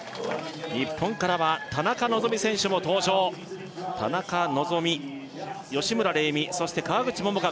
日本からは田中希実選手も登場田中希実吉村玲美そして川口桃佳